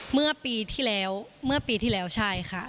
เมื่อปีที่แล้วใช่ค่ะ